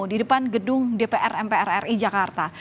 di depan gedung dpr mpr ri jakarta